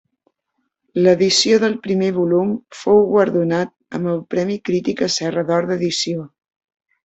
L'edició del primer volum fou guardonat amb el premi Crítica Serra d'Or d'edició.